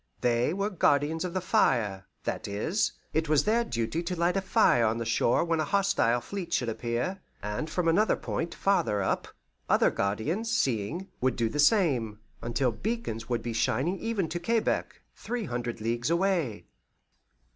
They were guardians of the fire; that is, it was their duty to light a fire on the shore when a hostile fleet should appear; and from another point farther up, other guardians, seeing, would do the same, until beacons would be shining even to Quebec, three hundred leagues away.